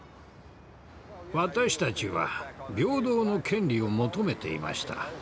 私たちは平等の権利を求めていました。